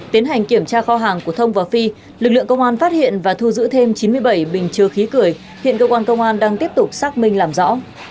tiến hành kiểm tra kho hàng của thông và phi lực lượng công an phát hiện và thu giữ thêm chín mươi bảy bình chứa khí cười hiện cơ quan công an đang tiếp tục xác minh làm rõ